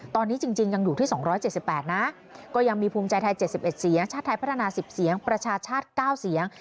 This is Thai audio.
ตอนนี้จริงยังอยู่ที่๒๗๘นะก็ยังมีภูมิใจไทย๗๑เสียงชาติไทยพัฒนา๑๐เสียงประชาชาติ๙เสียง